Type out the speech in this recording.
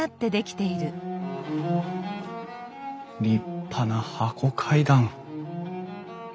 立派な箱階段！